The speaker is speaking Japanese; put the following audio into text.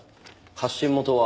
発信元は。